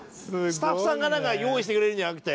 スタッフさんがなんか用意してくれるんじゃなくて。